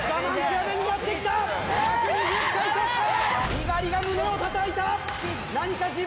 猪狩が胸をたたいた！